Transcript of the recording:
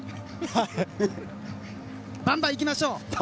バンバンいきましょう！